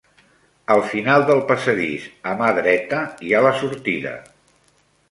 Al final del passadís, a mà dreta hi ha la sortida.